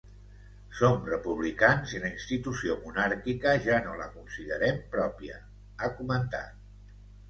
Som republicans i la institució monàrquica ja no la considerem pròpia, ha comentat.